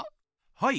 はい。